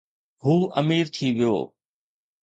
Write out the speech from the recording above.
هو امير ٿي ويو